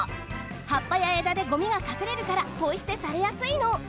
はっぱやえだでごみがかくれるからポイすてされやすいの。